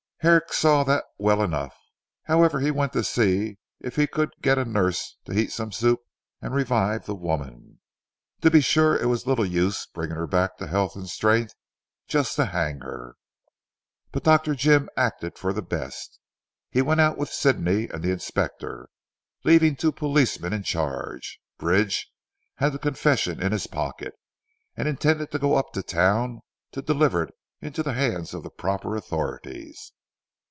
Herrick saw that well enough. However he went to see if he could get a nurse to heat some soup, and revive the woman. To be sure it was little use bringing her back to health and strength just to hang her. But Dr. Jim acted for the best. He went out with Sidney and the Inspector, leaving two policemen in charge. Bridge had the confession in his pocket, and intended to go up to town to deliver it into the hands of the proper authorities.